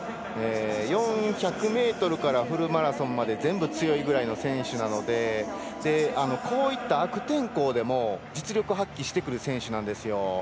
４００ｍからフルマラソンまで全部強いぐらいの選手なのでこういった悪天候でも実力を発揮してくる選手なんです。